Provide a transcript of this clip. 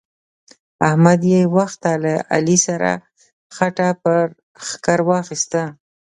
احمد بې وخته له علي سره خټه پر ښکر واخيسته.